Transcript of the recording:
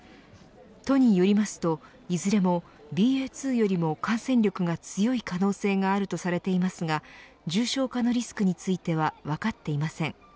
都によりますといずれもＢＡ．２よりも感染力が強い可能性があるとされていますが重症化のリスクについては分かっていません。